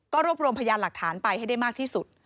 รวบรวมพยานหลักฐานไปให้ได้มากที่สุด